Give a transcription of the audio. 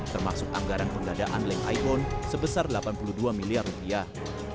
termasuk anggaran pendadaan leng iphone sebesar delapan puluh dua miliar rupiah